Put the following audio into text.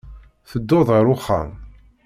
Tedduɣ ɣer uxxam.